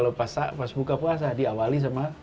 kalau pas buka puasa diawali sama